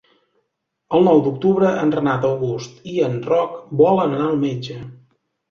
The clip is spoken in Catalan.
El nou d'octubre en Renat August i en Roc volen anar al metge.